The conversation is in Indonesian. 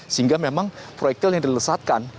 sehingga memang proyek tel yang dilesatkan